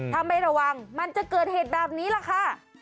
ถ้าไม่ระวังมันจะเกิดเหตุแบบนี้แหละค่ะ